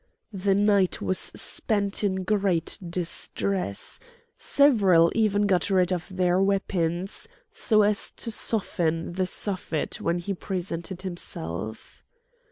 The night was spent in great distress; several even got rid of their weapons, so as to soften the Suffet when he presented himself.